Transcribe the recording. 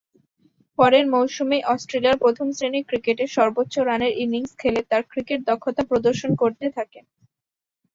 পরের মৌসুমেই অস্ট্রেলিয়ার প্রথম-শ্রেণীর ক্রিকেটে সর্বোচ্চ রানের ইনিংস খেলে তার ক্রিকেট দক্ষতা প্রদর্শন করতে থাকেন।